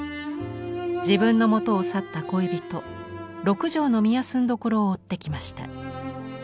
自分のもとを去った恋人六条御息所を追って来ました。